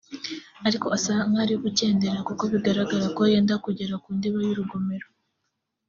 ariko asa nk’ari gukendera kuko bigaragara ko yenda kugera ku ndiba y’urugomero